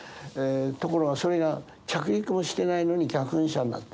ところがそれが着陸もしてないのに逆噴射になってる。